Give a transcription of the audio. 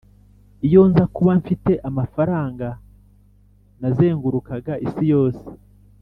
iyo nza kuba mfite amafaranga, nazengurukaga isi yose. (